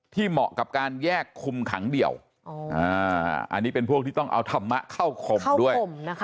เหมาะกับการแยกคุมขังเดี่ยวอันนี้เป็นพวกที่ต้องเอาธรรมะเข้าข่มด้วย